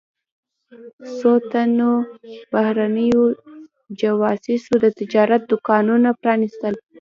څو تنو بهرنیو جواسیسو د تجارت دوکانونه پرانیستل.